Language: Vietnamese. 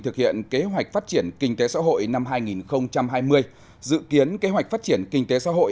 thực hiện kế hoạch phát triển kinh tế xã hội năm hai nghìn hai mươi dự kiến kế hoạch phát triển kinh tế xã hội